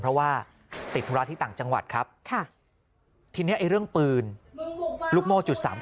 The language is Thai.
เพราะว่าติดฤทธิ์ต่างจังหวัดครับทีนี้เรื่องปืนลูกโม๓๘